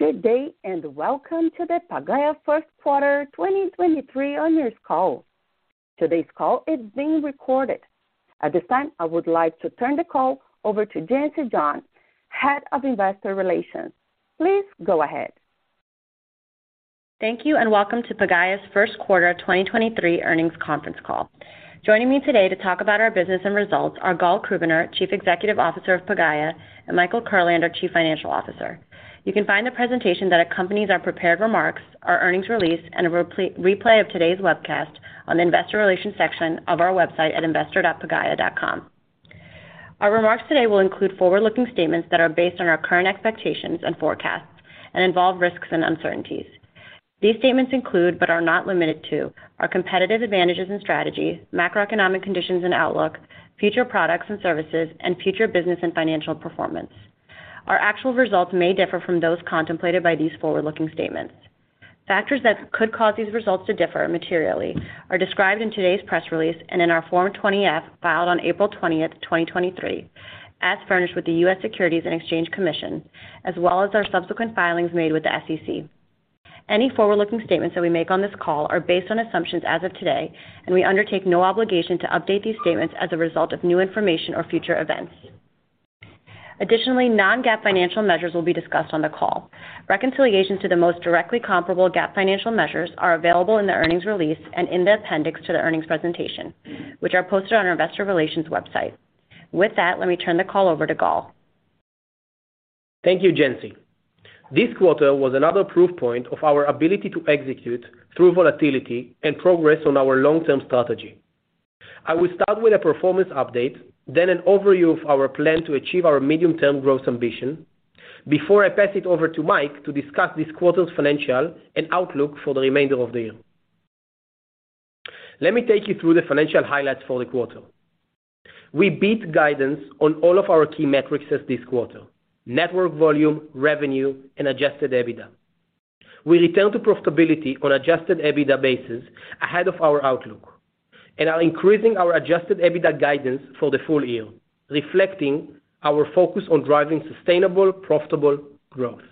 Good day, welcome to the Pagaya first quarter 2023 earnings call. Today's call is being recorded. At this time, I would like to turn the call over to Jency John, Head of Investor Relations. Please go ahead. Thank you and welcome to Pagaya's first quarter 2023 earnings conference call. Joining me today to talk about our business and results are Gal Krubiner, Chief Executive Officer of Pagaya, and Michael Kurlander, Chief Financial Officer. You can find the presentation that accompanies our prepared remarks, our earnings release, and a replay of today's webcast on the investor relations section of our website at investor.pagaya.com. Our remarks today will include forward-looking statements that are based on our current expectations and forecasts and involve risks and uncertainties. These statements include, but are not limited to, our competitive advantages and strategy, macroeconomic conditions and outlook, future products and services, and future business and financial performance. Our actual results may differ from those contemplated by these forward-looking statements. Factors that could cause these results to differ materially are described in today's press release and in our Form 20-F, filed on April 20th, 2023, as furnished with the U.S. Securities and Exchange Commission, as well as our subsequent filings made with the SEC. Any forward-looking statements that we make on this call are based on assumptions as of today, and we undertake no obligation to update these statements as a result of new information or future events. Additionally, non-GAAP financial measures will be discussed on the call. Reconciliation to the most directly comparable GAAP financial measures are available in the earnings release and in the appendix to the earnings presentation, which are posted on our investor relations website. With that, let me turn the call over to Gal. Thank you, Jency. This quarter was another proof point of our ability to execute through volatility and progress on our long-term strategy. I will start with a performance update, then an overview of our plan to achieve our medium-term growth ambition, before I pass it over to Mike to discuss this quarter's financial and outlook for the remainder of the year. Let me take you through the financial highlights for the quarter. We beat guidance on all of our key metrics this quarter: network volume, revenue, and adjusted EBITDA. We return to profitability on adjusted EBITDA basis ahead of our outlook, and are increasing our adjusted EBITDA guidance for the full year, reflecting our focus on driving sustainable, profitable growth.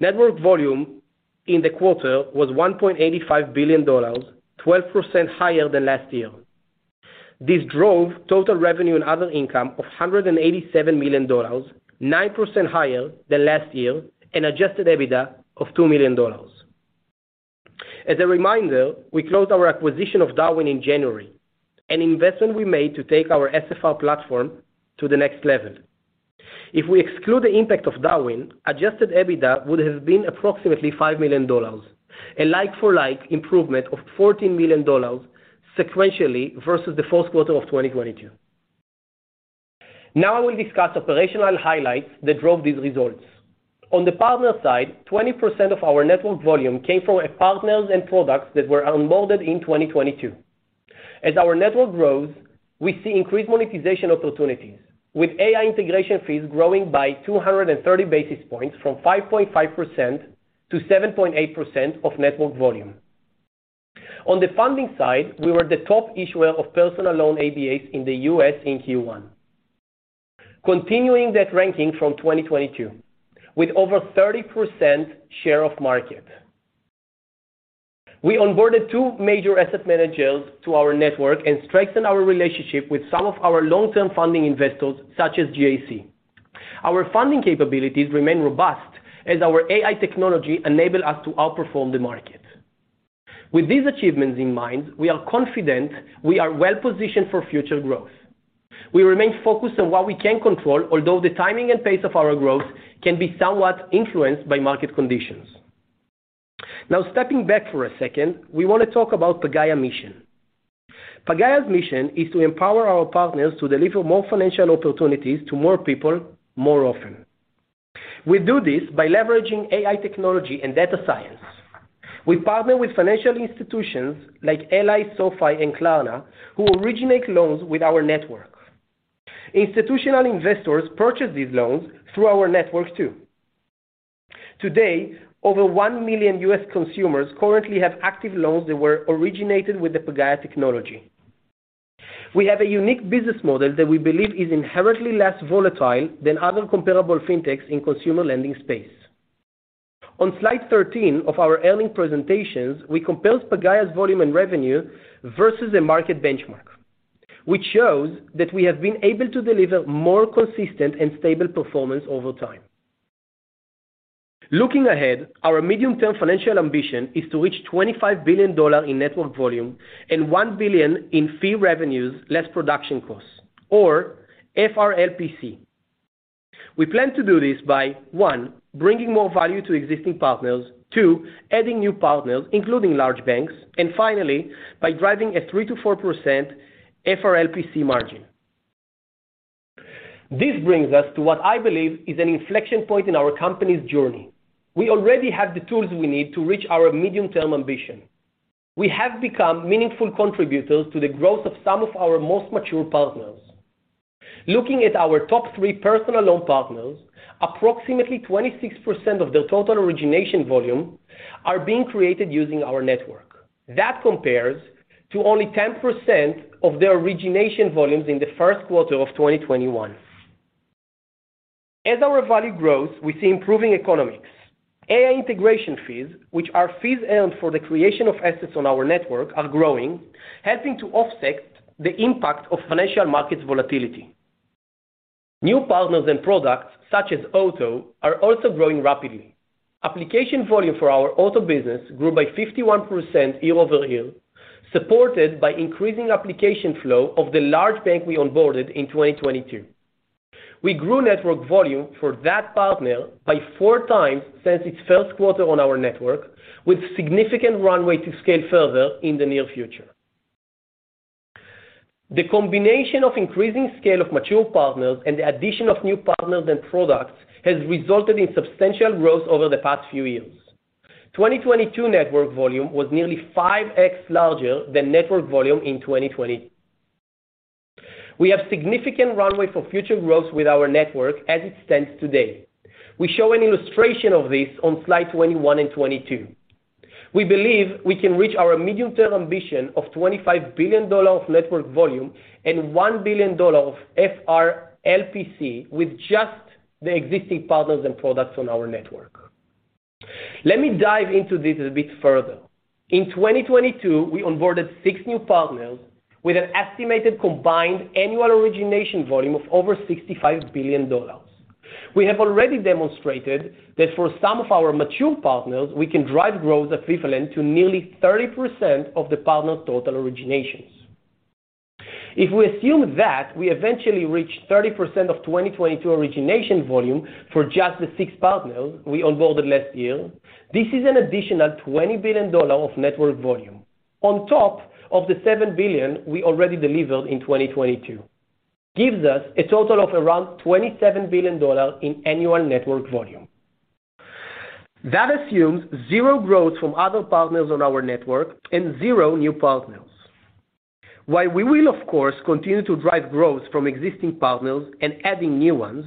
Network volume in the quarter was $1.85 billion, 12% higher than last year. This drove total revenue and other income of $187 million, 9% higher than last year, and adjusted EBITDA of $2 million. As a reminder, we closed our acquisition of Darwin in January, an investment we made to take our SFR platform to the next level. If we exclude the impact of Darwin, adjusted EBITDA would have been approximately $5 million, a like-for-like improvement of $14 million sequentially versus the fourth quarter of 2022. Now I will discuss operational highlights that drove these results. On the partner side, 20% of our network volume came from our partners and products that were onboarded in 2022. As our Network grows, we see increased monetization opportunities, with AI integration fees growing by 230 basis points from 5.5% to 7.8% of network volume. On the funding side, we were the top issuer of personal loan ABS in the U.S. in Q1, continuing that ranking from 2022 with over 30% share of market. We onboarded two major asset managers to our network and strengthened our relationship with some of our long-term funding investors such as GIC. Our funding capabilities remain robust as our AI technology enable us to outperform the market. With these achievements in mind, we are confident we are well-positioned for future growth. We remain focused on what we can control, although the timing and pace of our growth can be somewhat influenced by market conditions. Stepping back for a second, we want to talk about Pagaya's mission. Pagaya's mission is to empower our partners to deliver more financial opportunities to more people, more often. We do this by leveraging AI technology and data science. We partner with financial institutions like Ally, SoFi and Klarna who originate loans with our network. Institutional investors purchase these loans through our network too. Over 1 million U.S. consumers currently have active loans that were originated with the Pagaya technology. We have a unique business model that we believe is inherently less volatile than other comparable fintechs in consumer lending space. On slide 13 of our earnings presentations, we compared Pagaya's volume and revenue versus a market benchmark, which shows that we have been able to deliver more consistent and stable performance over time. Looking ahead, our medium-term financial ambition is to reach $25 billion in network volume and $1 billion in Fee Revenue less Production Costs or FRLPC. We plan to do this by, one bringing more value to existing partners. Two adding new partners, including large banks. Finally, by driving a 3%-4% FRLPC margin. This brings us to what I believe is an inflection point in our company's journey. We already have the tools we need to reach our medium-term ambition. We have become meaningful contributors to the growth of some of our most mature partners. Looking at our top three personal loan partners, approximately 26% of their total origination volume are being created using our network. That compares to only 10% of their origination volumes in the first quarter of 2021. As our value grows, we see improving economics. AI integration fees, which are fees earned for the creation of assets on our network, are growing, helping to offset the impact of financial markets volatility. New partners and products, such as auto, are also growing rapidly. Application volume for our auto business grew by 51% year-over-year, supported by increasing application flow of the large bank we onboarded in 2022. We grew network volume for that partner by four times since its first quarter on our network, with significant runway to scale further in the near future. The combination of increasing scale of mature partners and the addition of new partners and products has resulted in substantial growth over the past few years. The 2022 network volume was nearly 5x larger than network volume in 2020. We have significant runway for future growth with our network as it stands today. We show an illustration of this on slide 21 and 22. We believe we can reach our medium-term ambition of $25 billion of network volume and $1 billion of FRLPC with just the existing partners and products on our network. Let me dive into this a bit further. In 2022, we onboarded six new partners with an estimated combined annual origination volume of over $65 billion. We have already demonstrated that for some of our mature partners, we can drive growth equivalent to nearly 30% of the partner's total originations. If we assume that we eventually reach 30% of 2022 origination volume for just the six partners we onboarded last year, this is an additional $20 billion of network volume on top of the $7 billion we already delivered in 2022. Gives us a total of around $27 billion dollar in annual network volume. That assumes zero growth from other partners on our network and zero new partners. While we will of course, continue to drive growth from existing partners and adding new ones,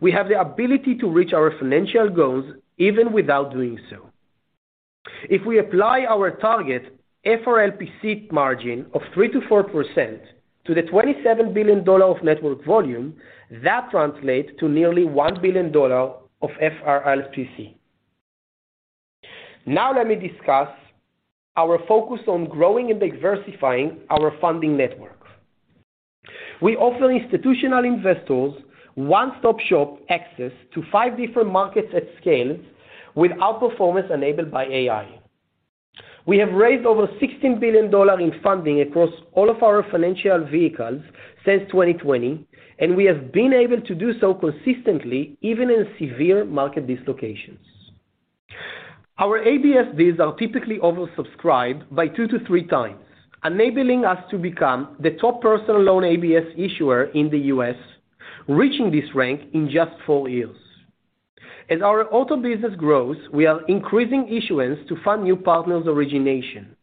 we have the ability to reach our financial goals even without doing so. If we apply our target FRLPC margin of 3%-4% to the $27 billion of network volume, that translates to nearly $1 billion of FRLPC. Let me discuss our focus on growing and diversifying our funding network. We offer institutional investors one-stop-shop access to five different markets at scale with outperformance enabled by AI. We have raised over $16 billion in funding across all of our financial vehicles since 2020, and we have been able to do so consistently, even in severe market dislocations. Our ABS, these are typically oversubscribed by 2 times to 3 times, enabling us to become the top personal loan ABS issuer in the U.S., reaching this rank in just four years. As our auto business grows, we are increasing issuance to fund new partners' origination.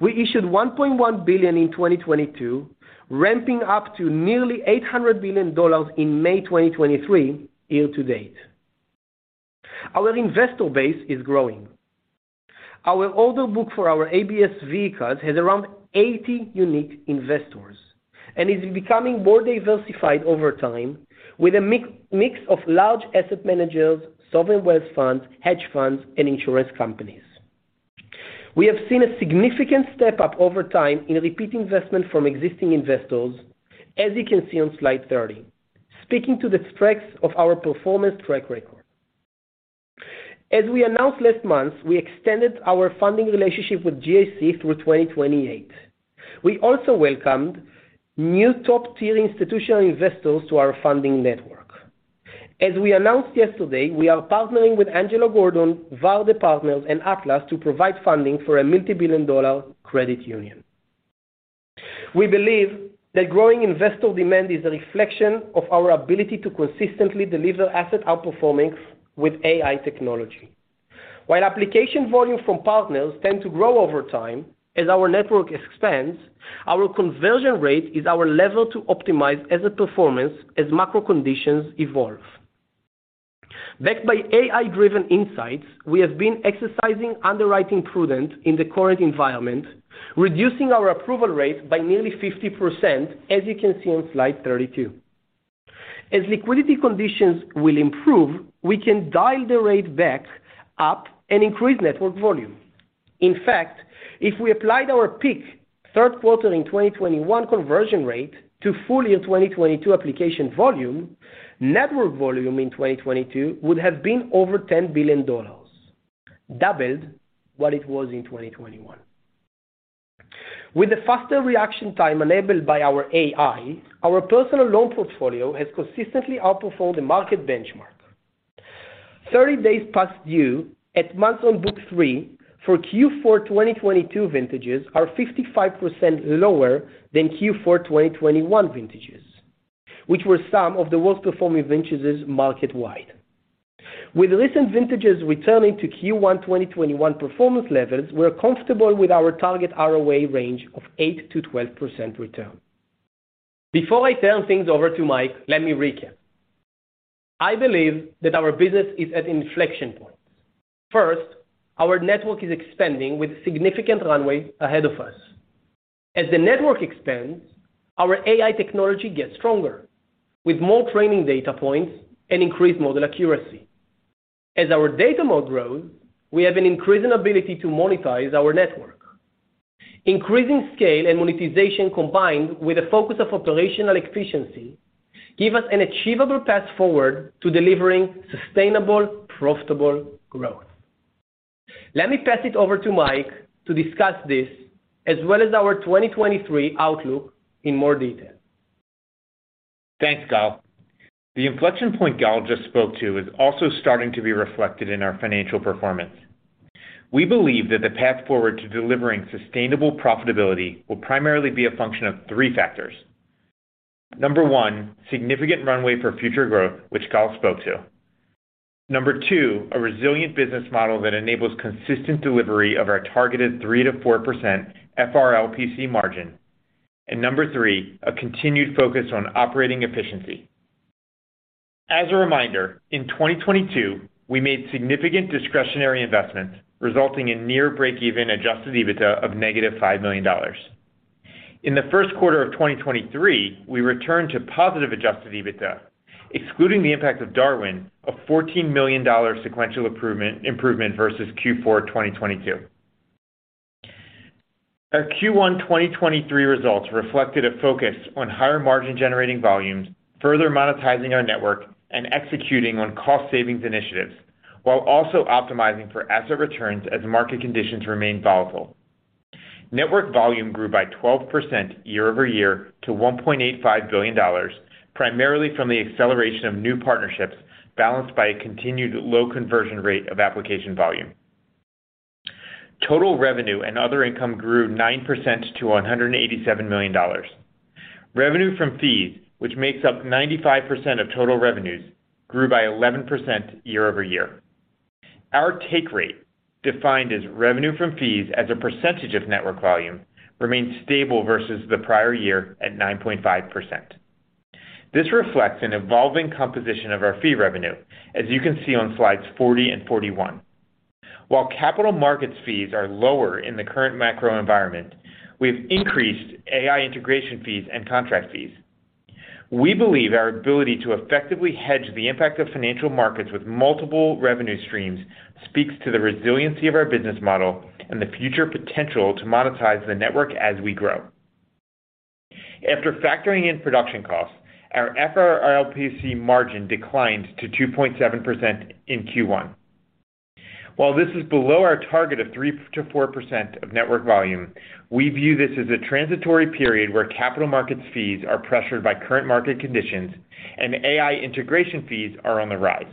We issued $1.1 billion in 2022, ramping up to nearly $800 billion in May 2023 year-to-date. Our investor base is growing. Our order book for our ABS vehicles has around 80 unique investors and is becoming more diversified over time with a mix of large asset managers, sovereign wealth funds, hedge funds, and insurance companies. We have seen a significant step-up over time in repeat investment from existing investors, as you can see on slide 30, speaking to the strengths of our performance track record. As we announced last month, we extended our funding relationship with GIC through 2028. We also welcomed new top-tier institutional investors to our funding network. As we announced yesterday, we are partnering with Angelo Gordon, Värde Partners, and Atlas to provide funding for a multi-billion dollar credit union. We believe that growing investor demand is a reflection of our ability to consistently deliver asset outperformance with AI technology. While application volume from partners tend to grow over time as our network expands, our conversion rate is our level to optimize as a performance as macro conditions evolve. Backed by AI-driven insights, we have been exercising underwriting prudence in the current environment, reducing our approval rate by nearly 50%, as you can see on slide 32. As liquidity conditions will improve, we can dial the rate back up and increase network volume. In fact, if we applied our peak third quarter in 2021 conversion rate to full year 2022 application volume, network volume in 2022 would have been over $10 billion, doubled what it was in 2021. With a faster reaction time enabled by our AI, our personal loan portfolio has consistently outperformed the market benchmark 30 days past due at months on book three for Q4 2022 vintages are 55% lower than Q4 2021 vintages, which were some of the worst-performing vintages market-wide. With recent vintages returning to Q1 2021 performance levels, we're comfortable with our target ROA range of 8%-12% return. Before I turn things over to Mike, let me recap. I believe that our business is at inflection point. First, our network is expanding with significant runway ahead of us. As the network expands, our AI technology gets stronger with more training data points and increased model accuracy. As our data mode grows, we have an increasing ability to monetize our network. Increasing scale and monetization combined with a focus of operational efficiency give us an achievable path forward to delivering sustainable, profitable growth. Let me pass it over to Mike to discuss this, as well as our 2023 outlook in more detail. Thanks, Gal. The inflection point Gal just spoke to is also starting to be reflected in our financial performance. We believe that the path forward to delivering sustainable profitability will primarily be a function of three factors. Number one, significant runway for future growth, which Gal spoke to. Number two, a resilient business model that enables consistent delivery of our targeted 3%-4% FRLPC margin. Number three, a continued focus on operating efficiency. As a reminder, in 2022, we made significant discretionary investments resulting in near breakeven adjusted EBITDA of -$5 million. In the first quarter of 2023, we returned to positive adjusted EBITDA, excluding the impact of Darwin of $14 million sequential improvement versus Q4 2022. Our Q1 2023 results reflected a focus on higher margin generating volumes, further monetizing our network, and executing on cost savings initiatives, while also optimizing for asset returns as market conditions remain volatile. Network volume grew by 12% year-over-year to $1.85 billion, primarily from the acceleration of new partnerships, balanced by a continued low conversion rate of application volume. Total revenue and other income grew 9% to $187 million. Revenue from fees, which makes up 95% of total revenues, grew by 11% year-over-year. Our take rate, defined as revenue from fees as a percentage of network volume, remained stable versus the prior year at 9.5%. This reflects an evolving composition of our fee revenue, as you can see on slides 40 and 41. While capital markets fees are lower in the current macro environment, we've increased AI integration fees and contract fees. We believe our ability to effectively hedge the impact of financial markets with multiple revenue streams speaks to the resiliency of our business model and the future potential to monetize the network as we grow. After factoring in production costs, our FRLPC margin declined to 2.7% in Q1. While this is below our target of 3%-4% of network volume, we view this as a transitory period where capital markets fees are pressured by current market conditions and AI integration fees are on the rise.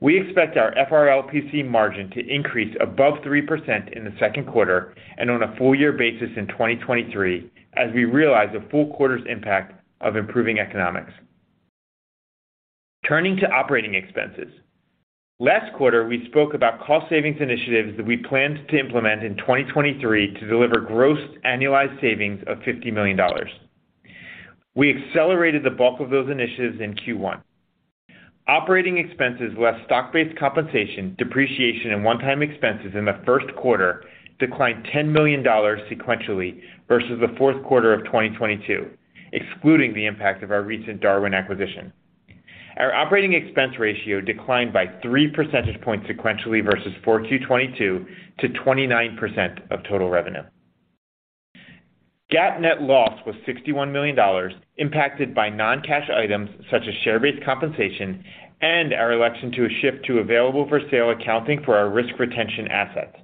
We expect our FRLPC margin to increase above 3% in the second quarter and on a full year basis in 2023, as we realize the full quarter's impact of improving economics. Turning to operating expenses. Last quarter, we spoke about cost savings initiatives that we planned to implement in 2023 to deliver gross annualized savings of $50 million. We accelerated the bulk of those initiatives in Q1. Operating expenses, less stock-based compensation, depreciation, and one-time expenses in the first quarter, declined $10 million sequentially versus the fourth quarter of 2022, excluding the impact of our recent Darwin acquisition. Our operating expense ratio declined by 3 percentage points sequentially versus Q4 2022 to 29% of total revenue. GAAP net loss was $61 million, impacted by non-cash items such as share-based compensation and our election to a shift to available-for-sale accounting for our risk retention assets.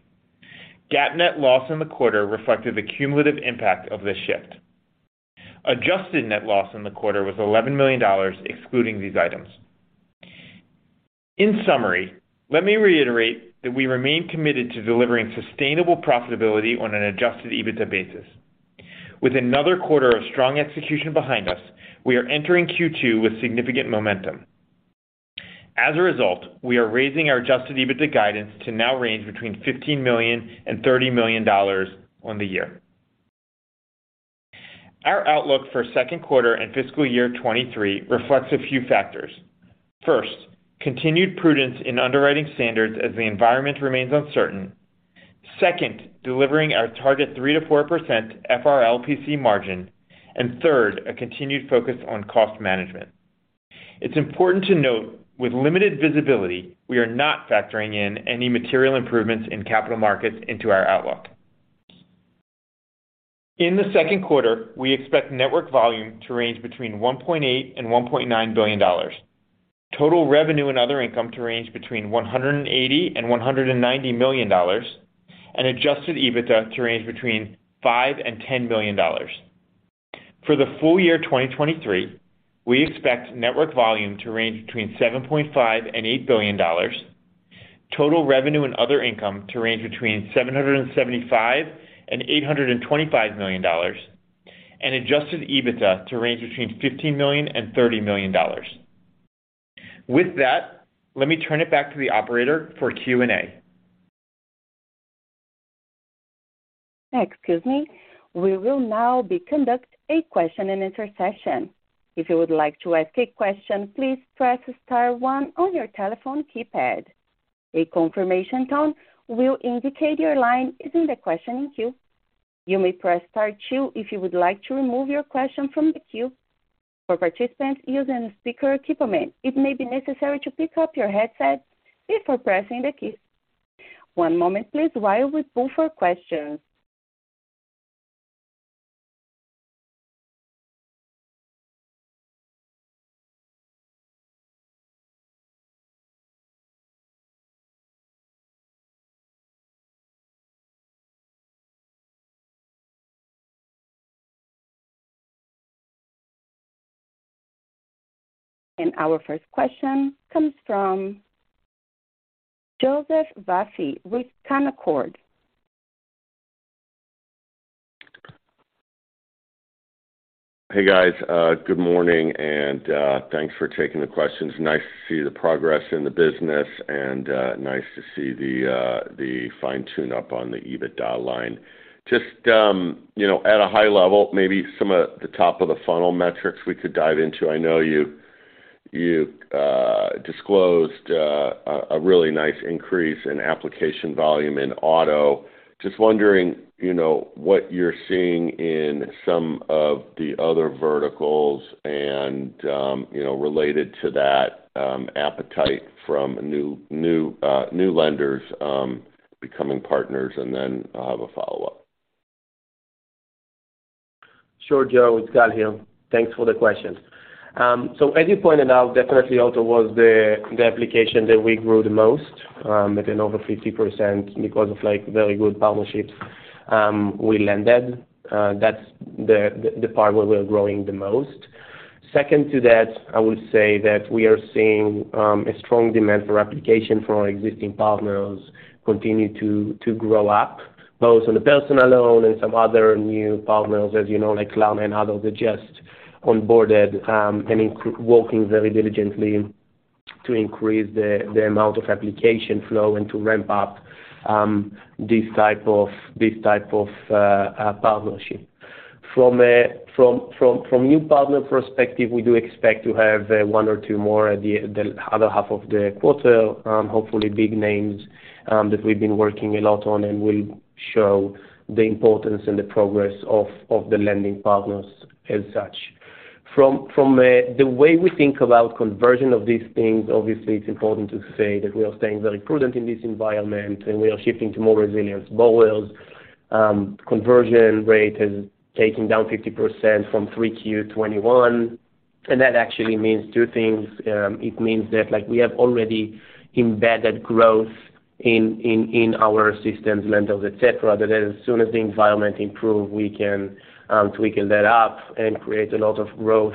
GAAP net loss in the quarter reflected the cumulative impact of this shift. Adjusted net loss in the quarter was $11 million, excluding these items. In summary, let me reiterate that we remain committed to delivering sustainable profitability on an adjusted EBITDA basis. With another quarter of strong execution behind us, we are entering Q2 with significant momentum. As a result, we are raising our adjusted EBITDA guidance to now range between $15 million and $30 million on the year. Our outlook for second quarter and fiscal year 2023 reflects a few factors. First, continued prudence in underwriting standards as the environment remains uncertain. Second, delivering our target 3%-4% FRLPC margin. Third, a continued focus on cost management. It's important to note, with limited visibility, we are not factoring in any material improvements in capital markets into our outlook. In the second quarter, we expect network volume to range between $1.8 billion and $1.9 billion. Total revenue and other income to range between $180 million and $190 million, and adjusted EBITDA to range between $5 billion and $10 billion. For the full year 2023, we expect network volume to range between $7.5 billion and $8 billion, total revenue and other income to range between $775 million and $825 million, and adjusted EBITDA to range between $15 million and $30 million. With that, let me turn it back to the operator for Q&A. Excuse me. We will now be conduct a question and answer session. If you would like to ask a question, please press star one on your telephone keypad. A confirmation tone will indicate your line is in the questioning queue. You may press star two if you would like to remove your question from the queue. For participants using speaker equipment, it may be necessary to pick up your headset before pressing the keys. One moment please while we pull for questions. Our first question comes from Joseph Vafi with Canaccord. Hey, guys. Good morning. Thanks for taking the questions. Nice to see the progress in the business and nice to see the fine tune up on the EBITDA line. Just, you know, at a high level, maybe some of the top of the funnel metrics we could dive into. I know you disclosed a really nice increase in application volume in auto. Just wondering, you know, what you're seeing in some of the other verticals and, you know, related to that, appetite from new lenders becoming partners. I'll have a follow-up. Sure, Joe. It's Gal here. Thanks for the question. As you pointed out, definitely auto was the application that we grew the most, I think over 50% because of, like, very good partnerships, we landed. That's the part where we're growing the most. Second to that, I would say that we are seeing a strong demand for application from our existing partners continue to grow up, both on the personal loan and some other new partners, as you know, like Klarna and others that just onboarded, and working very diligently to increase the amount of application flow and to ramp up this type of partnership. From new partner perspective, we do expect to have one or two more at the other half of the quarter, hopefully big names, that we've been working a lot on and will show the importance and the progress of the lending partners as such. From the way we think about conversion of these things, obviously it's important to say that we are staying very prudent in this environment, and we are shifting to more resilient borrowers. Conversion rate has taken down 50% from 3Q 2021, and that actually means two things. It means that, like, we have already embedded growth in our systems, lenders, et cetera, that as soon as the environment improve, we can tweak that up and create a lot of growth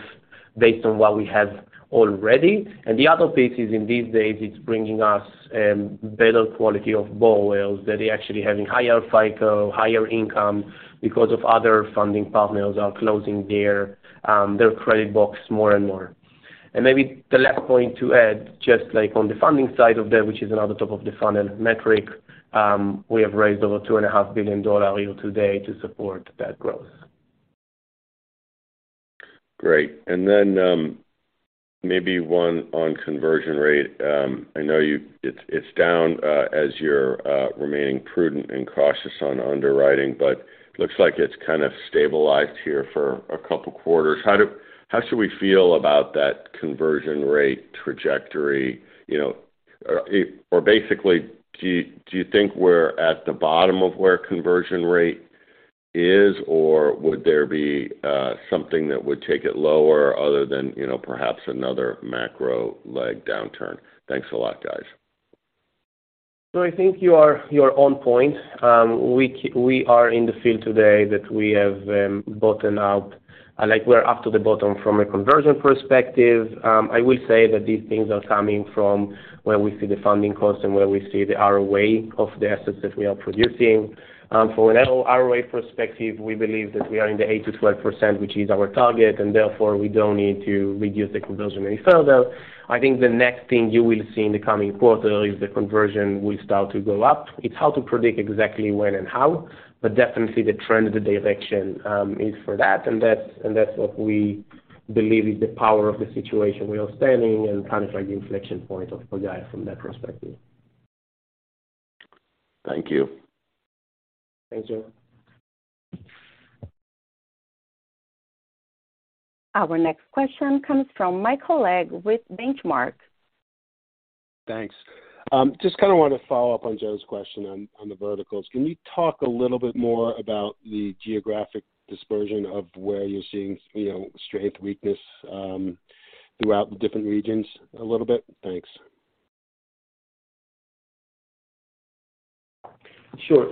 based on what we have already. The other piece is, in these days, it's bringing us better quality of borrowers that are actually having higher FICO, higher income because of other funding partners are closing their credit box more and more. Maybe the last point to add, just like on the funding side of that, which is another top of the funnel metric, we have raised over two and a half billion dollar yield today to support that growth. Great. Maybe one on conversion rate. I know it's down, as you're remaining prudent and cautious on underwriting. Looks like it's kind of stabilized here for a couple quarters. How should we feel about that conversion rate trajectory? You know, or basically, do you think we're at the bottom of where conversion rate is, or would there be something that would take it lower other than, you know, perhaps another macro leg downturn? Thanks a lot, guys. I think you are on point. We are in the field today that we have bottomed out. Like, we're up to the bottom from a conversion perspective. I will say that these things are coming from where we see the funding cost and where we see the ROA of the assets that we are producing. From an ROA perspective, we believe that we are in the 8%-12%, which is our target, and therefore we don't need to reduce the conversion rate further. I think the next thing you will see in the coming quarter is the conversion will start to go up. It's hard to predict exactly when and how, but definitely the trend, the direction, is for that, and that's, and that's what we believe is the power of the situation we are standing and kind of like the inflection point of Pagaya from that perspective. Thank you. Thanks, Joe. Our next question comes from Michael Legg with Benchmark. Thanks. Just kinda wanna follow up on Joe's question on the verticals. Can you talk a little bit more about the geographic dispersion of where you're seeing, you know, strength, weakness, throughout the different regions a little bit? Thanks. Sure.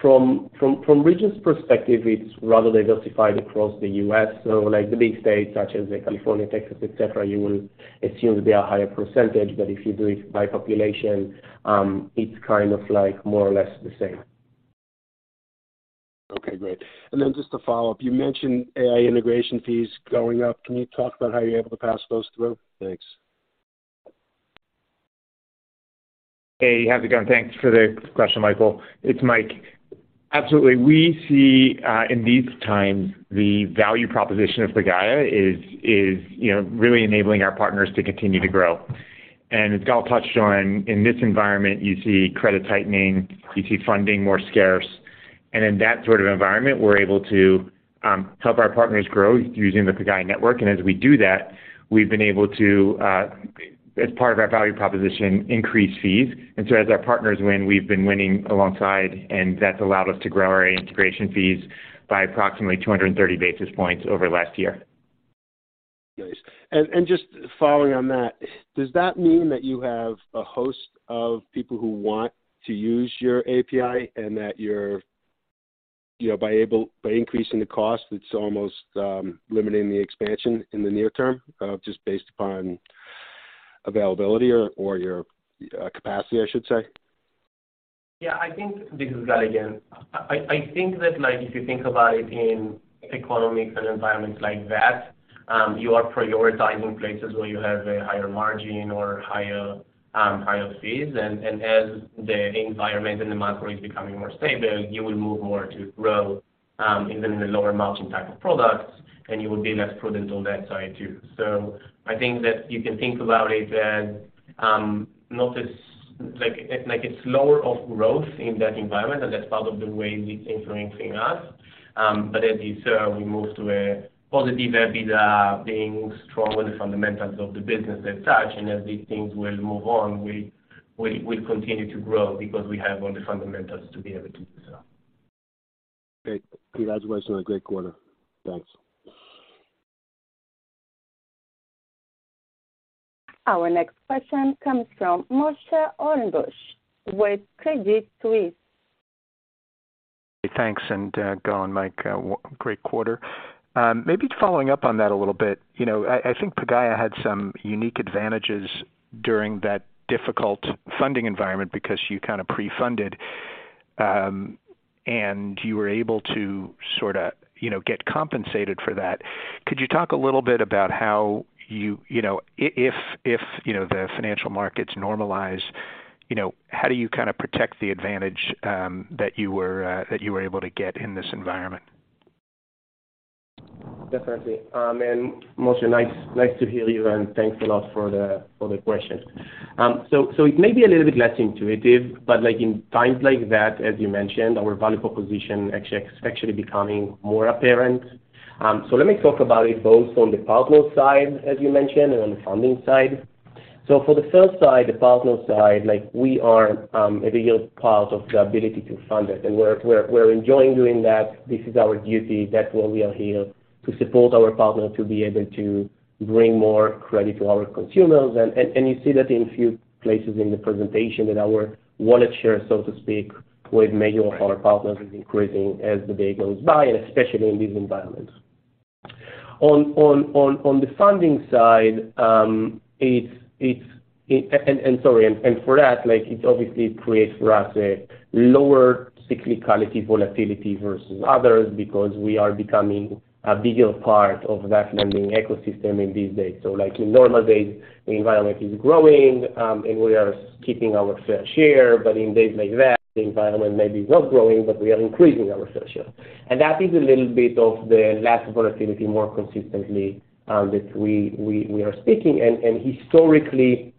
From regions perspective, it's rather diversified across the U.S. Like the big states such as California, Texas, et cetera, you will assume they are higher percentage, but if you do it by population, it's kind of like more or less the same. Okay, great. Just to follow up, you mentioned AI integration fees going up. Can you talk about how you're able to pass those through? Thanks. Hey, how's it going? Thanks for the question, Michael. It's Mike. Absolutely. We see in these times, the value proposition of Pagaya is, you know, really enabling our partners to continue to grow. As Gal touched on, in this environment, you see credit tightening, you see funding more scarce. In that sort of environment, we're able to help our partners grow using the Pagaya network. As we do that, we've been able to as part of our value proposition, increase fees. So as our partners win, we've been winning alongside, and that's allowed us to grow our integration fees by approximately 230 basis points over last year. Nice. Just following on that, does that mean that you have a host of people who want to use your API and that you're, you know, by increasing the cost, it's almost limiting the expansion in the near term, just based upon availability or your capacity, I should say? Yeah, I think. This is Gal again. I think that, like, if you think about it in economics and environments like that, you are prioritizing places where you have a higher margin or higher fees. as the environment and the macro is becoming more stable, you will move more to grow, even in the lower margin type of products, and you will be less prudent on that side too. I think that you can think about it as, not as, like, a slower of growth in that environment, and that's part of the way it's influencing us. as you saw, we moved to a positive EBITDA being stronger, the fundamentals of the business as such. As these things will move on, we'll continue to grow because we have all the fundamentals to be able to do so. Great. Congratulations on a great quarter. Thanks. Our next question comes from Moshe Orenbusch with Credit Suisse. Thanks. Gal and Mike, great quarter. Maybe following up on that a little bit, you know, I think Pagaya had some unique advantages during that difficult funding environment because you kind of pre-funded, and you were able to sorta, you know, get compensated for that. Could you talk a little bit about how you know, if, you know, the financial markets normalize, you know, how do you kind of protect the advantage, that you were able to get in this environment? Definitely. Moshe, nice to hear you, and thanks a lot for the, for the question. It may be a little bit less intuitive, but like, in times like that, as you mentioned, our value proposition actually is actually becoming more apparent. Let me talk about it both on the partner side, as you mentioned, and on the funding side. For the first side, the partner side, like we are, a real part of the ability to fund it, and we're enjoying doing that. This is our duty. That's why we are here, to support our partners, to be able to bring more credit to our consumers. You see that in few places in the presentation that our wallet share, so to speak, with many of our partners is increasing as the day goes by, and especially in these environments. On the funding side, it's Sorry, for that, like, it obviously creates for us a lower cyclicality volatility versus others because we are becoming a bigger part of that lending ecosystem in these days. Like in normal days, the environment is growing, and we are keeping our fair share. In days like that, the environment may be not growing, but we are increasing our fair share. That is a little bit of the less volatility more consistently, that we are speaking. Historically,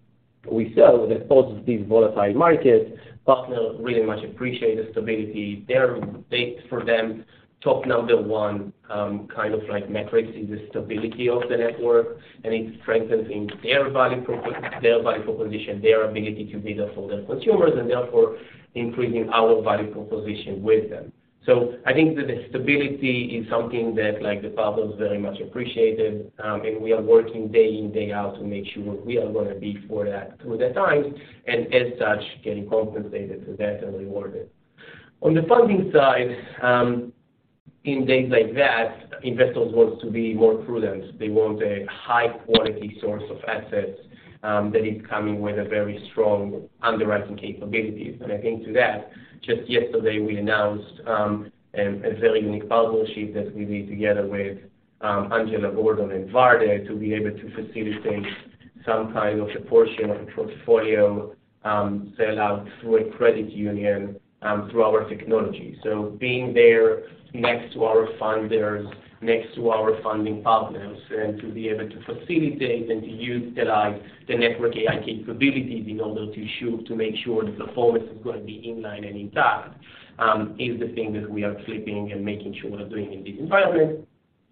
we saw that both of these volatile markets, partners really much appreciate the stability. For them, top number one, kind of like metrics, is the stability of the network, and it's strengthening their value proposition, their ability to be there for their consumers, and therefore increasing our value proposition with them. I think that the stability is something that, like, the partners very much appreciated. We are working day in, day out to make sure we are gonna be for that through the times, and as such, getting compensated for that and rewarded. On the funding side, in days like that, investors want to be more prudent. They want a high-quality source of assets that is coming with a very strong underwriting capabilities. I think to that, just yesterday we announced a very unique partnership that we did together with Angelo Gordon and Värde to be able to facilitate some kind of a portion of a portfolio sell-out through a credit union through our technology. Being there next to our funders, next to our funding partners, and to be able to facilitate and to utilize the network AI capabilities in order to make sure the performance is gonna be in line and intact is the thing that we are flipping and making sure we are doing in this environment.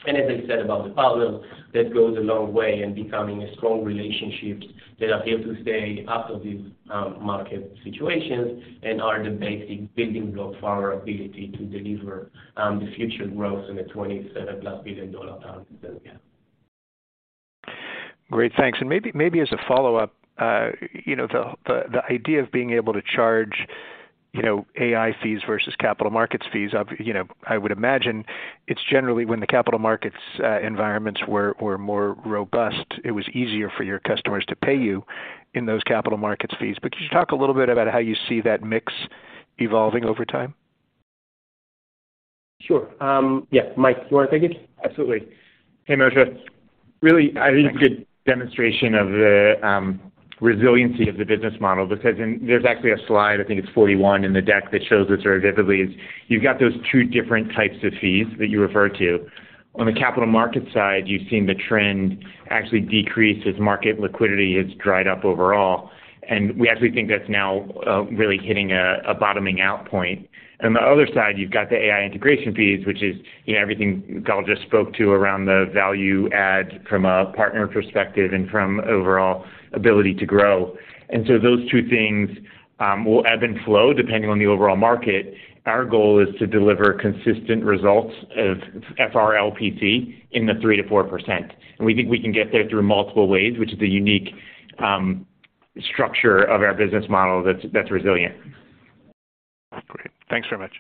As I said about the partners, that goes a long way in becoming a strong relationships that are here to stay after these market situations and are the basic building block for our ability to deliver the future growth in the $27+ billion opportunity that we have. Great. Thanks. Maybe as a follow-up, you know, the idea of being able to charge, you know, AI fees versus capital markets fees, you know, I would imagine it's generally when the capital markets environments were more robust, it was easier for your customers to pay you in those capital markets fees. Could you talk a little bit about how you see that mix evolving over time? Sure. Yeah, Mike, you want to take it? Absolutely. Hey, Moshe. Really, I think a good demonstration of the resiliency of the business model, because there's actually a slide, I think it's 41, in the deck that shows this very vividly is you've got those two different types of fees that you referred to. On the capital markets side, you've seen the trend actually decrease as market liquidity has dried up overall. We actually think that's now really hitting a bottoming out point. On the other side, you've got the AI integration fees, which is, you know, everything Gal just spoke to around the value add from a partner perspective and from overall ability to grow. Those two things will ebb and flow depending on the overall market. Our goal is to deliver consistent results of FRLPC in the 3%-4%. We think we can get there through multiple ways, which is the unique structure of our business model that's resilient. Great. Thanks very much.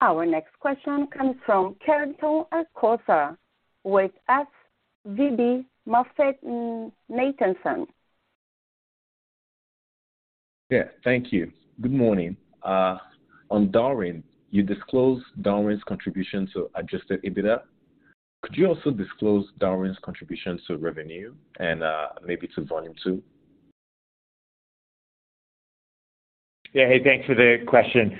Our next question comes from Carrington Akosa with SVB MoffettNathanson. Yeah, thank you. Good morning. On Darwin, you disclosed Darwin's contribution to adjusted EBITDA. Could you also disclose Darwin's contributions to revenue and, maybe to volume too? Yeah. Hey, thanks for the question.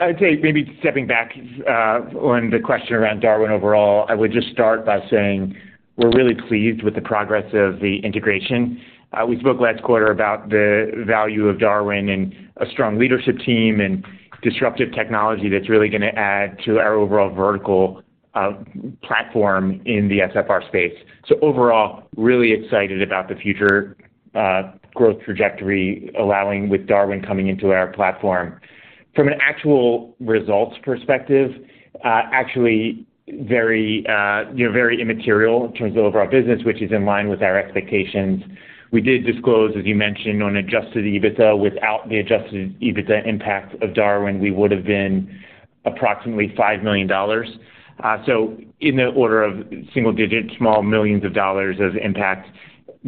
I'd say maybe stepping back on the question around Darwin overall, I would just start by saying we're really pleased with the progress of the integration. We spoke last quarter about the value of Darwin and a strong leadership team and disruptive technology that's really gonna add to our overall vertical platform in the SFR space. Overall, really excited about the future growth trajectory allowing with Darwin coming into our platform. From an actual results perspective, actually very, you know, very immaterial in terms of overall business, which is in line with our expectations. We did disclose, as you mentioned, on adjusted EBITDA. Without the adjusted EBITDA impact of Darwin, we would've been approximately $5 million. In the order of single-digit, small dollars millions of impact.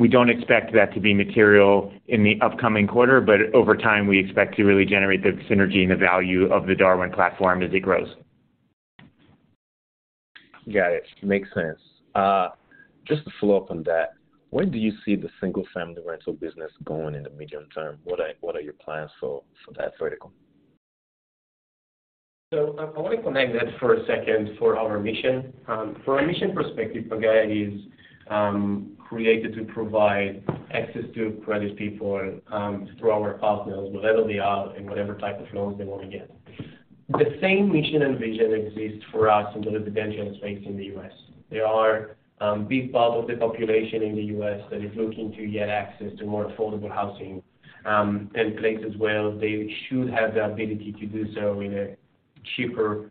We don't expect that to be material in the upcoming quarter. Over time, we expect to really generate the synergy and the value of the Darwin platform as it grows. Got it. Makes sense. Just to follow up on that, where do you see the single-family rental business going in the medium term? What are your plans for that vertical? I want to connect that for a second for our mission. From a mission perspective, Pagaya is created to provide access to credit people through our partners, wherever they are and whatever type of loans they want to get. The same mission and vision exists for us in the residential space in the U.S. There are big part of the population in the U.S. that is looking to get access to more affordable housing and places where they should have the ability to do so in a cheaper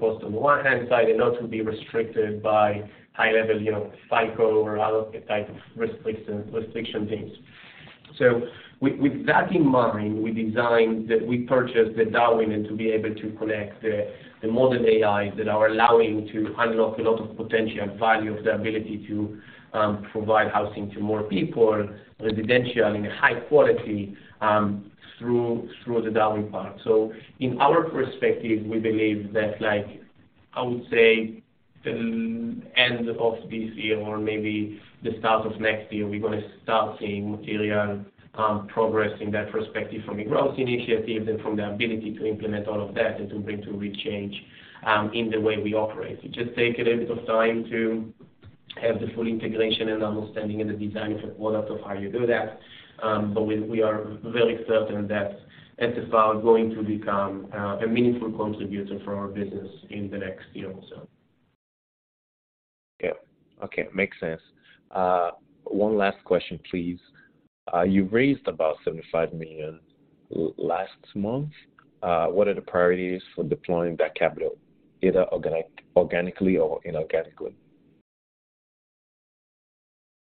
cost on the one-hand side and not to be restricted by high-level, you know, FICO or other type of restriction things. With that in mind, we designed the... We purchased the Darwin, and to be able to connect the modern AIs that are allowing to unlock a lot of potential value of the ability to provide housing to more people residentially in a high quality through the Darwin part. In our perspective, we believe that, like, I would say the end of this year or maybe the start of next year, we're gonna start seeing material progress in that perspective from a growth initiative and from the ability to implement all of that. It will bring to real change in the way we operate. It just take a little bit of time to have the full integration and understanding and the design of the product of how you do that. We are very certain that SFR is going to become a meaningful contributor for our business in the next year or so. Yeah. Okay. Makes sense. One last question, please. You raised about $75 million last month. What are the priorities for deploying that capital, either organically or inorganically?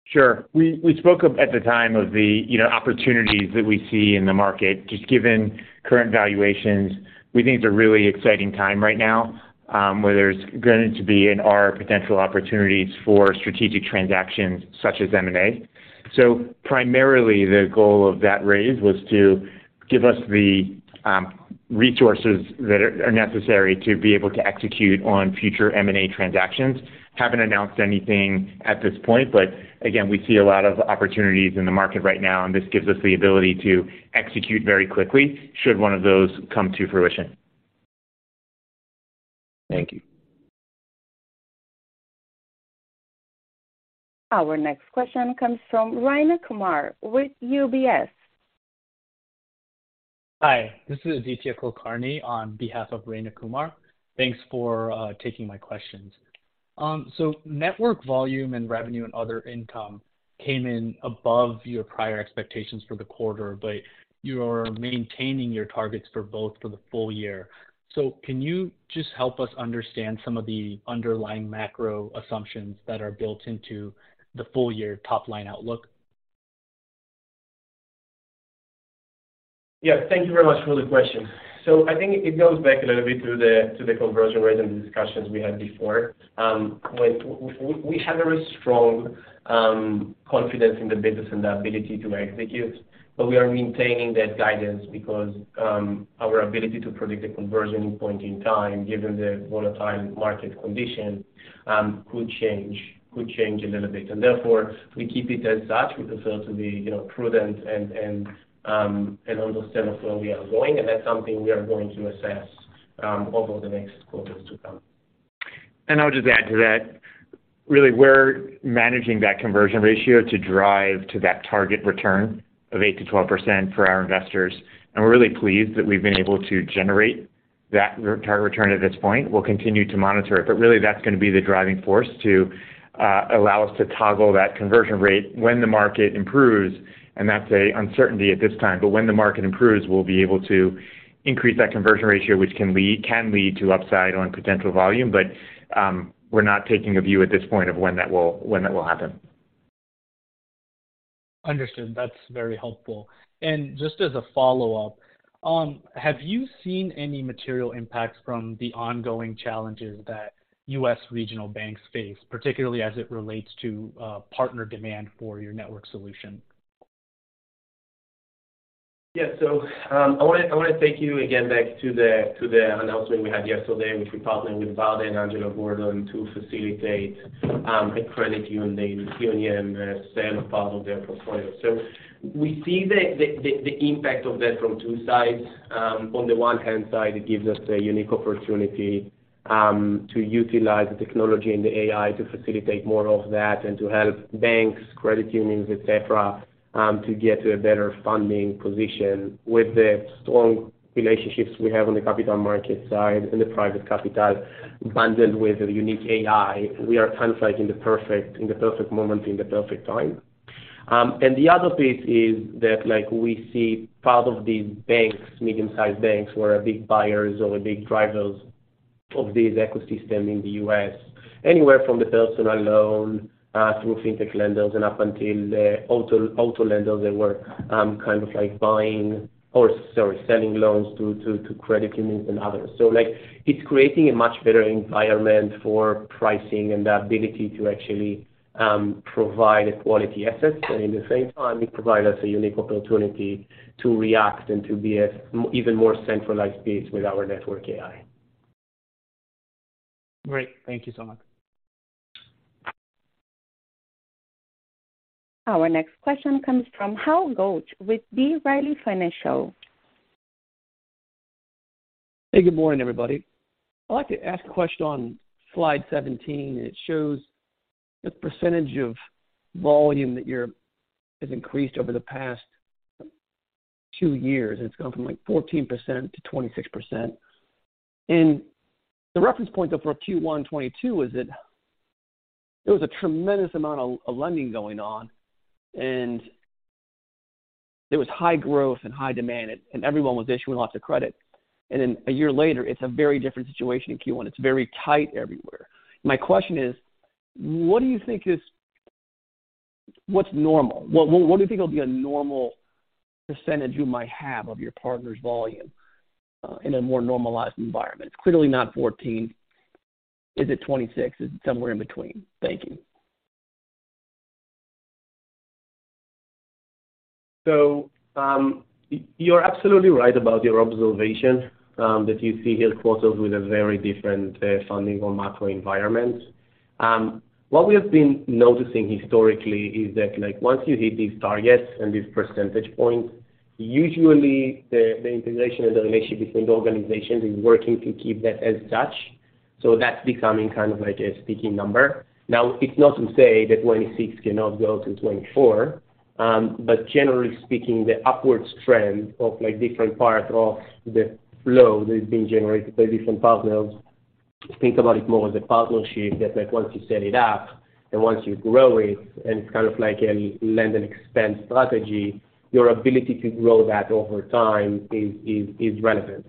Sure. We spoke of at the time of the, you know, opportunities that we see in the market. Just given current valuations, we think it's a really exciting time right now, where there's going to be and are potential opportunities for strategic transactions such as M&A. Primarily, the goal of that raise was to give us the resources that are necessary to be able to execute on future M&A transactions. Haven't announced anything at this point, again, we see a lot of opportunities in the market right now, this gives us the ability to execute very quickly should one of those come to fruition. Thank you. Our next question comes from Arren Cyganovich with UBS. Hi. This is Aditya Kulkarni on behalf of Arren Cyganovich. Thanks for taking my questions. Network volume and revenue and other income came in above your prior expectations for the quarter, but you're maintaining your targets for both for the full year. Can you just help us understand some of the underlying macro assumptions that are built into the full year top line outlook? Yeah, thank you very much for the question. I think it goes back a little bit to the, to the conversion rate and the discussions we had before. We have a very strong, confidence in the business and the ability to execute, but we are maintaining that guidance because, our ability to predict a conversion point in time, given the volatile market condition, could change a little bit. Therefore, we keep it as such. We prefer to be, you know, prudent and understand of where we are going. That's something we are going to assess, over the next quarters to come. I'll just add to that. Really, we're managing that conversion ratio to drive to that target return of 8%-12% for our investors, and we're really pleased that we've been able to generate that re-target return at this point. We'll continue to monitor it, but really that's going to be the driving force to allow us to toggle that conversion rate when the market improves. That's a uncertainty at this time. When the market improves, we'll be able to increase that conversion ratio, which can lead to upside on potential volume. We're not taking a view at this point of when that will happen. Understood. That's very helpful. Just as a follow-up, have you seen any material impacts from the ongoing challenges that U.S. regional banks face, particularly as it relates to partner demand for your network solution? Yeah. I wanna take you again back to the announcement we had yesterday, which we partnered with Värde Partners and Angelo Gordon to facilitate a credit union, a CU and sell a part of their portfolio. We see the impact of that from two sides. On the one-hand side, it gives us a unique opportunity to utilize the technology and the AI to facilitate more of that and to help banks, credit unions, et cetera, to get to a better funding position. With the strong relationships we have on the capital market side and the private capital bundled with a unique AI, we are kind of like in the perfect moment, in the perfect time. The other piece is that like we see part of these banks, medium-sized banks who are big buyers or big drivers of this ecosystem in the U.S., anywhere from the personal loan, through fintech lenders and up until the auto lenders that were kind of like buying or, sorry, selling loans to credit unions and others. Like it's creating a much better environment for pricing and the ability to actually provide a quality assets. In the same time, it provide us a unique opportunity to react and to be even more centralized base with our Network AI. Great. Thank you so much. Our next question comes from Hal Goetsch with B. Riley Financial. Hey, good morning, everybody. I'd like to ask a question on slide 17. It shows the percentage of volume that has increased over the past two years. It's gone from like 14% to 26%. The reference point though for, Q1 2022 is that there was a tremendous amount of lending going on, and there was high growth and high demand, and everyone was issuing lots of credit. A year later, it's a very different situation in Q1. It's very tight everywhere. My question is, what do you think is what's normal? What do you think will be a normal percentage you might have of your partner's volume in a more normalized environment? It's clearly not 14. Is it 26? Is it somewhere in between? Thank you. You're absolutely right about your observation, that you see here quarters with a very different funding or macro environment. What we have been noticing historically is that, like, once you hit these targets and these percentage points, usually the integration and the relationship between the organizations is working to keep that as such. That's becoming kind of like a sticking number. Now, it's not to say that 26 cannot go to 24, but generally speaking, the upwards trend of like different parts of the flow that is being generated by different partners, think about it more as a partnership that like once you set it up and once you grow it, and it's kind of like a lend and expand strategy, your ability to grow that over time is, is relevant.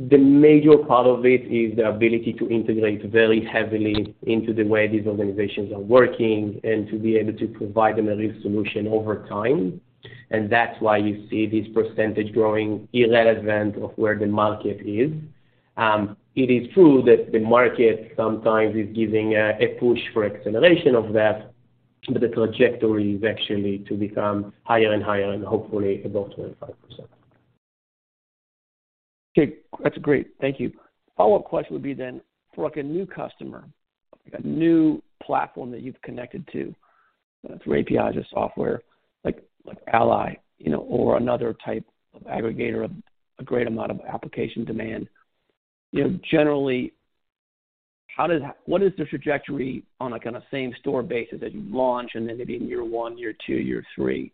The major part of it is the ability to integrate very heavily into the way these organizations are working and to be able to provide them a real solution over time. That's why you see this percentage growing irrelevant of where the market is. It is true that the market sometimes is giving a push for acceleration of that, but the trajectory is actually to become higher and higher and hopefully above 25%. Okay. That's great. Thank you. Follow-up question would be for like a new customer, like a new platform that you've connected to through API just software like Ally, you know, or another type of aggregator of a great amount of application demand. You know, generally, what is the trajectory on like on a same-store basis that you launch and then maybe in year one, year two, year three?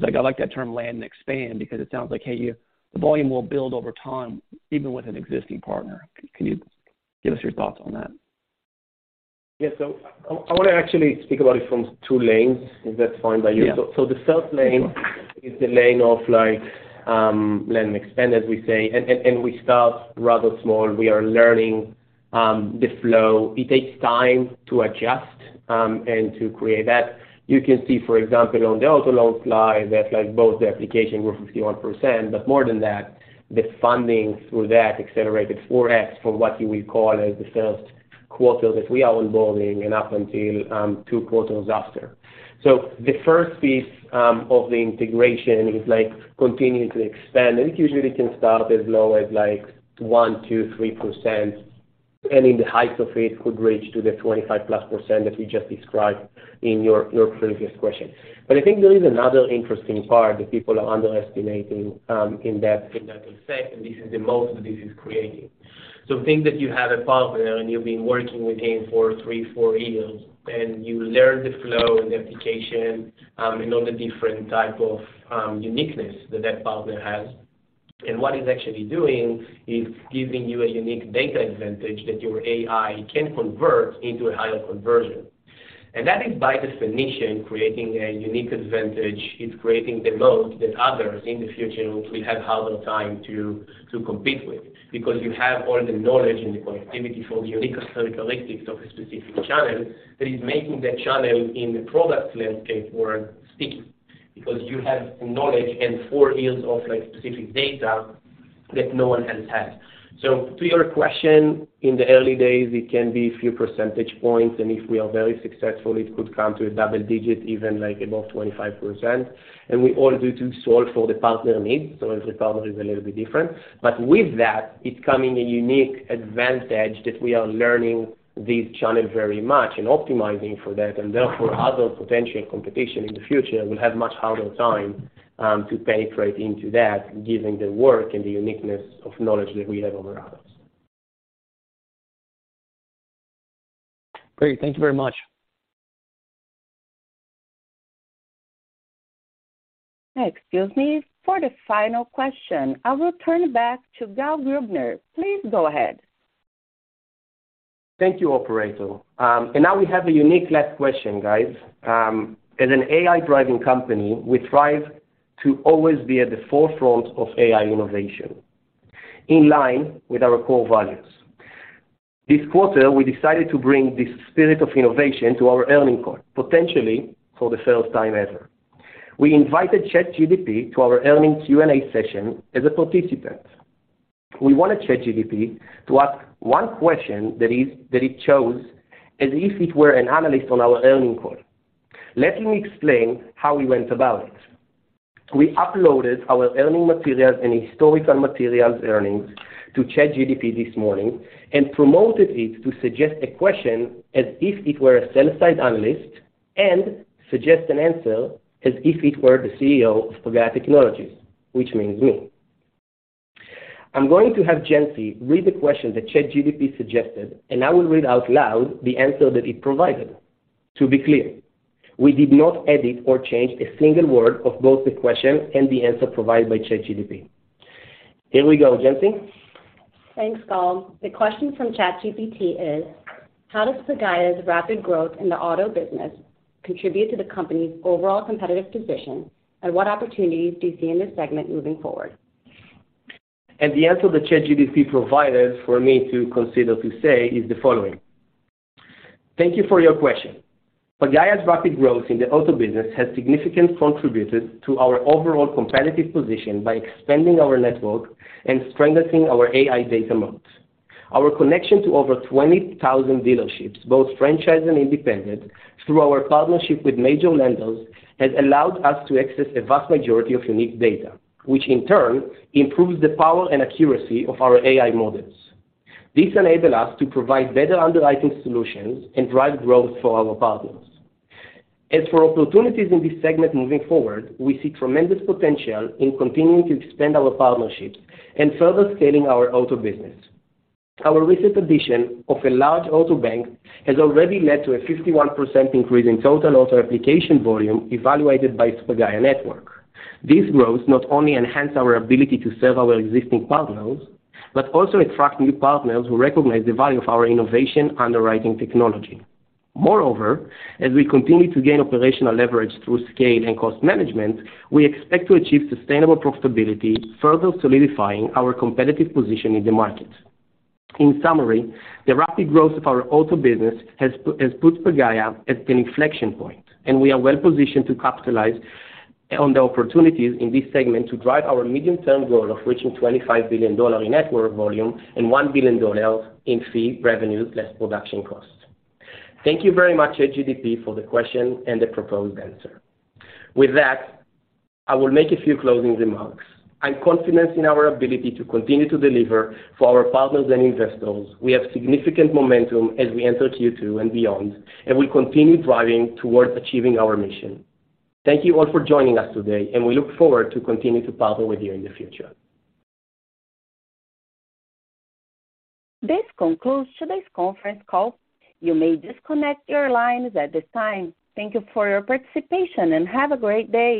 Like I like that term land and expand because it sounds like, hey, the volume will build over time even with an existing partner. Can you give us your thoughts on that? Yeah. I wanna actually speak about it from two lanes, if that's fine by you. Yeah. The first is the lane of like, land and expand, as we say, and we start rather small. We are learning the flow, it takes time to adjust and to create that. You can see, for example, on the auto loan slide that like both the application were 51%, but more than that, the funding through that accelerated 4x for what you will call as the first quarter that we are onboarding and up until two quarters after. The first piece of the integration is like continuing to expand, and it usually can start as low as like 1%, 2%, 3%, and in the heights of it could reach to the 25%+ that you just described in your previous question. I think there is another interesting part that people are underestimating in that segment, and this is the moat that this is creating. Think that you have a partner, and you've been working with him for three, four years, and you learn the flow and the application, and all the different type of uniqueness that that partner has. What he's actually doing is giving you a unique data advantage that your AI can convert into a higher conversion. That is by definition creating a unique advantage. It's creating the moat that others in the future will have harder time to compete with. You have all the knowledge and the connectivity for the unique characteristics of a specific channel that is making that channel in the product landscape more sticky because you have knowledge and four years of like specific data that no one else has. To your question, in the early days, it can be a few percentage points, and if we are very successful, it could come to a double digit, even like above 25%. We all do to solve for the partner needs, so every partner is a little bit different. With that, it's coming a unique advantage that we are learning this channel very much and optimizing for that, and therefore other potential competition in the future will have much harder time to penetrate into that, given the work and the uniqueness of knowledge that we have over others. Great. Thank you very much. Excuse me. For the final question, I will turn back to Gal Krubiner. Please go ahead. Thank you, operator. Now we have a unique last question, guys. As an AI-driven company, we thrive to always be at the forefront of AI innovation in line with our core values. This quarter, we decided to bring this spirit of innovation to our earnings call, potentially for the first time ever. We invited ChatGPT to our earnings Q&A session as a participant. We wanted ChatGPT to ask one question that it chose as if it were an analyst on our earnings call. Let me explain how we went about it. We uploaded our earnings materials and historical materials earnings to ChatGPT this morning and promoted it to suggest a question as if it were a sell side analyst and suggest an answer as if it were the CEO of Pagaya Technologies, which means me. I'm going to have Jency read the question that ChatGPT suggested, and I will read out loud the answer that it provided. To be clear, we did not edit or change a single word of both the question and the answer provided by ChatGPT. Here we go, Jency. Thanks, Gal. The question from ChatGPT is: How does Pagaya's rapid growth in the auto business contribute to the company's overall competitive position, and what opportunities do you see in this segment moving forward? The answer that ChatGPT provided for me to consider to say is the following: Thank you for your question. Pagaya's rapid growth in the auto business has significantly contributed to our overall competitive position by expanding our network and strengthening our AI data moats. Our connection to over 20,000 dealerships, both franchise and independent, through our partnership with major lenders, has allowed us to access a vast majority of unique data, which in turn improves the power and accuracy of our AI models. This enable us to provide better underwriting solutions and drive growth for our partners. For opportunities in this segment moving forward, we see tremendous potential in continuing to expand our partnerships and further scaling our auto business. Our recent addition of a large auto bank has already led to a 51% increase in total auto application volume evaluated by Pagaya Network. This growth not only enhance our ability to serve our existing partners but also attract new partners who recognize the value of our innovation underwriting technology. Moreover, as we continue to gain operational leverage through scale and cost management, we expect to achieve sustainable profitability, further solidifying our competitive position in the market. In summary, the rapid growth of our auto business has put Pagaya at an inflection point, we are well-positioned to capitalize on the opportunities in this segment to drive our medium-term goal of reaching $25 billion in network volume and $1 billion in Fee Revenue less Production Costs. Thank you very much, ChatGPT, for the question and the proposed answer. With that, I will make a few closing remarks. I'm confident in our ability to continue to deliver for our partners and investors. We have significant momentum as we enter Q2 and beyond, and we continue driving towards achieving our mission. Thank you all for joining us today, and we look forward to continuing to partner with you in the future. This concludes today's conference call. You may disconnect your lines at this time. Thank you for your participation, and have a great day.